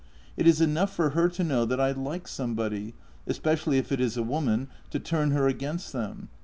It is enough for her to know that I like somebody — especially if it is a woman — to turn her against them.